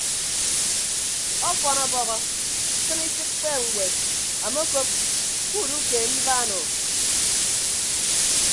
Ọfọn ọbọhọ sịn ifịk kpeeb ñwed amokop kuudukeene ibaan o.